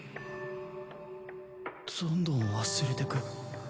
どんどん忘れてく。